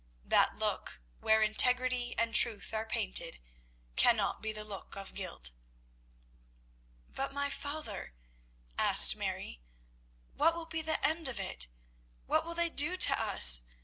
That look, where integrity and truth are painted, cannot be the look of guilt." "But, my father," asked Mary, "what will be the end of it? What will they do to us?